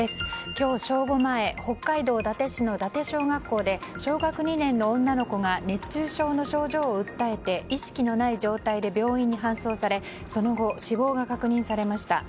今日正午前北海道伊達市の伊達小学校で小学２年の女の子が熱中症の症状を訴えて意識のない状態で病院に搬送されその後、死亡が確認されました。